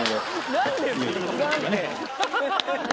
何で？